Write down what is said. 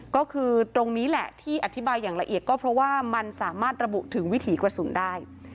ก็คือตรงนี้แหละที่อธิบายอย่างละเอียดก็เพราะว่ามันสามารถระบุถึงวิถีกระสุนได้